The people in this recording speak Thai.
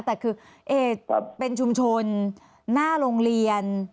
แต่คือเอกเป็นชุมชนหน้าโรงเรียน